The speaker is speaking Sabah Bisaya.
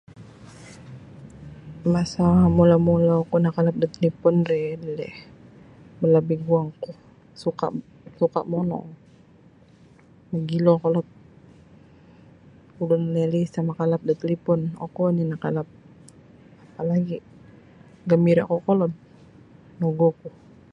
Masa mula-mula oku nakalap da talipun ri eleh balabi guang ku suka suka monong magilo kolod ulun liali isa makalap da talipum oku oni nakalap apa lagi gambira kokolod nogu oku.